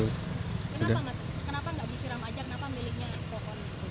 kenapa gak disiram aja kenapa miliknya kokor